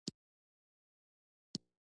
توندلاري طالبان او منځلاري طالبان.